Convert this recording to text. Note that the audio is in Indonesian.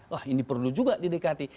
wah ini perlu juga di dekati